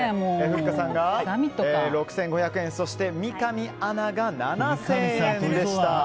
ふっかさんが６５００円三上アナが７０００円でした。